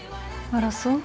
あらそう？